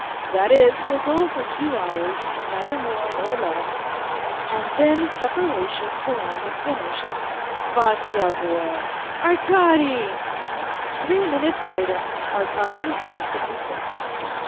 " That is, we'll go for two hours, neither more nor less ...."" And then separation till I have finished. ..."" Vasya, boy 1 "" Arkady !" Three minutes later Arkady was dressed In his best.